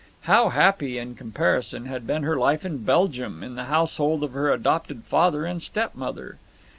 How happy, in comparison, had been her life in Belgium, in the household of her adopted father and stepmother!